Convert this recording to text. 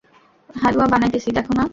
হালুয়া বানাইতেছি, দেখো না?